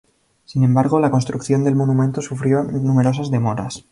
Sin embargo, la construcción del monumento sufrió numerosas demoras.